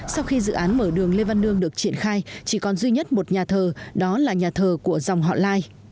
sau khi dự án mở đường lê văn lương được triển khai chỉ còn duy nhất một nhà thờ đó là nhà thờ của dòng họ lai